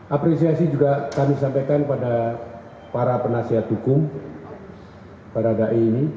apresiasi juga kami sampaikan pada para penasihat hukum para dae ini